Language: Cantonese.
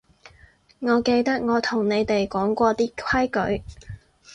我記得我同你哋講過啲規矩